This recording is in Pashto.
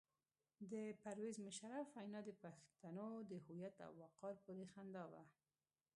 د پرویز مشرف وینا د پښتنو د هویت او وقار پورې خندا وه.